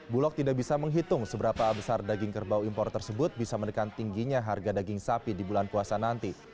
bulog tidak bisa menghitung seberapa besar daging kerbau impor tersebut bisa menekan tingginya harga daging sapi di bulan puasa nanti